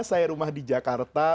saya rumah di jawa tengah